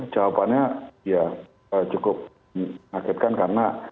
jawabannya ya cukup mengagetkan karena